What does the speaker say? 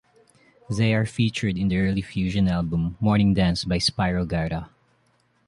They are featured in the early fusion album Morning Dance by Spyro Gyra.